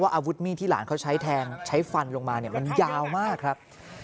อาวุธมีดที่หลานเขาใช้แทงใช้ฟันลงมามันยาวมากครับ